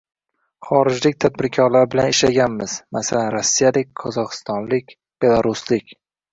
Xorijlik tadbirkorlar bilan ishlaganmiz, masalan, rossiyalik, qozog‘istonlik, belaruslik